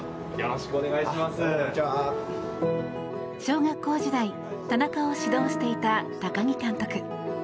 小学校時代、田中を指導していた高木監督。